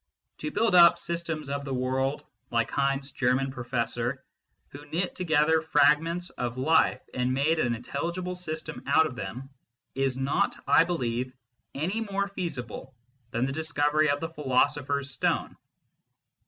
To build up systems of the world, like Heine s German professor who knit together fragments of life and made an intelligible system out of them, is not, I believe, any more feasible than the discovery of the philosopher s stone.